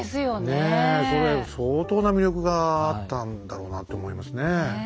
相当な魅力があったんだろうなと思いますねえ。